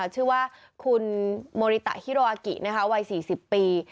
ชื่อว่าคุณโมริตะฮิโรอากิวัย๔๐ปี